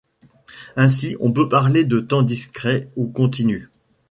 Ainsi on peut parler de temps discret ou continu.